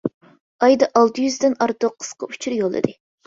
ئايدا ئالتە يۈزدىن ئارتۇق قىسقا ئۇچۇر يوللىدى.